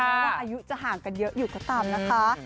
ว่าอายุจะห่างกันเยอะอยู่ก็ตามนะคะ